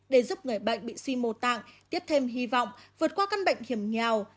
để giúp người bệnh bị suy mô tạng tiếp thêm hy vọng vượt qua căn bệnh hiểm nghèo